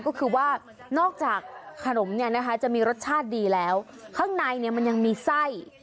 ก็คือว่านอกจากขนมเนี่ยนะคะจะมีรสชาติดีแล้วข้างในเนี่ยมันยังมีไส้